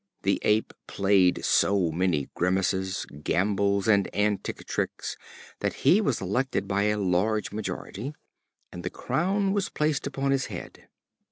The Ape played so many grimaces, gambols, and antic tricks, that he was elected by a large majority; and the crown was placed upon his head.